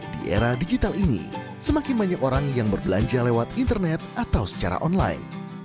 di era digital ini semakin banyak orang yang berbelanja lewat internet atau secara online